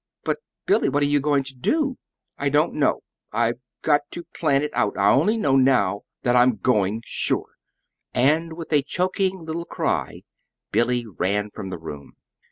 "But, Billy, what are you going to do?" "I don't know. I've got to plan it out. I only know now that I'm going, sure!" And with a choking little cry Billy ran from the room.